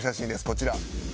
こちら。